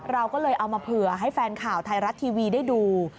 เราก็เลยเอามาเผื่อให้แฟนข่าวไทยรัฐทีวีได้ดู